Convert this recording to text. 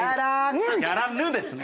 「やらぬ」ですね。